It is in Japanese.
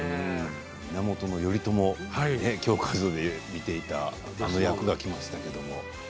源頼朝、教科書で見ていたあの役がきましたね。